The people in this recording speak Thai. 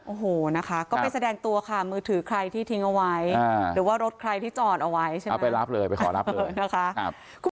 โอ้โหนะคะก็ไปแสดงตัวค่ะมือถือใครที่ทิ้งเอาไว้หรือว่ารถใครที่จอดเอาไว้ใช่ไหมเอาไปรับเลยไปขอรับเลยนะคะ